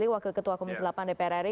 wakil ketua komisi delapan dpr ri